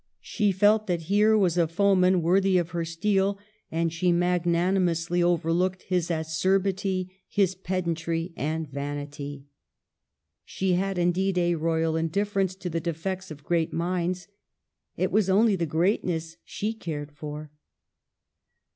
She felt that here was a foeman worthy of her steel, and she magnanimously over looked his acerbity, his pedantry and vanity. She had indeed a royal indifference to the defects of great minds. It was only the greatness she cared for.